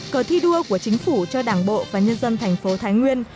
cờ thi đua của chính phủ cho đảng bộ và nhân dân thành phố thái nguyên